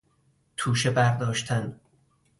توشه برداشتن